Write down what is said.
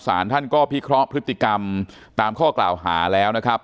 สารท่านก็พิเคราะห์พฤติกรรมตามข้อกล่าวหาแล้วนะครับ